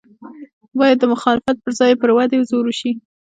باید د مخالفت پر ځای یې پر ودې زور وشي.